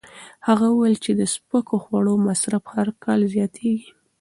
هغه وویل چې د سپکو خوړو مصرف هر کال زیاتېږي.